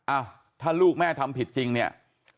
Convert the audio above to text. อ้าวถ้าลูกแม่ทำผิดจริงเนี่ย